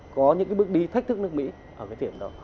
có những cái bước đi thách thức nước mỹ ở cái điểm đó